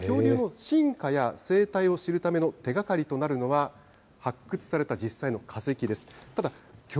こうした恐竜の進化や生態を知るための手がかりとなるのは、発掘された実際の化石です。